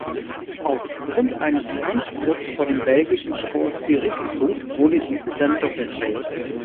Aufgrund eines Einspruchs vor dem Belgischen Sportgerichtshof wurde diese dann doch erteilt.